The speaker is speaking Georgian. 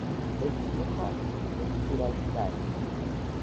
ეს მუხა ტს პირას დგას